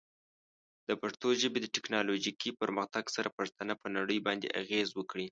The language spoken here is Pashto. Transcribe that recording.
د پښتو ژبې د ټیکنالوجیکي پرمختګ سره، پښتانه پر نړۍ باندې اغېز وکړي.